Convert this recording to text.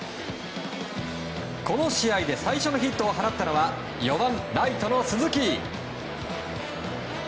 この試合で最初のヒットを放ったのは４番、ライトの鈴木。